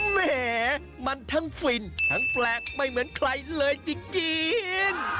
แหมมันทั้งฟินทั้งแปลกไม่เหมือนใครเลยจริง